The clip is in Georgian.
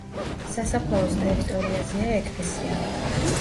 სასაფლაოს ტერიტორიაზეა ეკლესია.